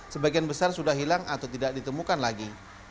sebagian besar sudah hilang atau tidak ditemukan lagi